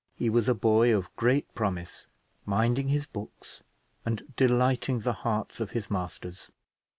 He was a boy of great promise, minding his books and delighting the hearts of his masters.